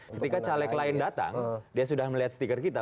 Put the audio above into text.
ketika caleg lain datang dia sudah melihat stiker kita